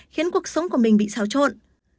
khiến cuộc sống của mình bị sao trộn